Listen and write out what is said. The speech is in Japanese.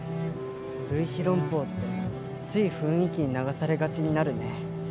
類比論法ってつい雰囲気に流されがちになるね。